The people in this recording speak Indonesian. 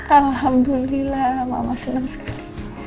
alhamdulillah mama senang sekali